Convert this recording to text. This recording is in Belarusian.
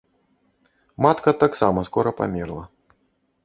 Матка таксама скора памерла.